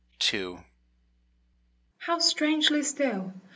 II How strangely still